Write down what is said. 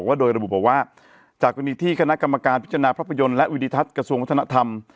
โดยระบุบอกว่าจากกรณีที่คณะกรรมการพิจารณาภาพยนตร์และวิดิทัศน์กระทรวงวัฒนธรรม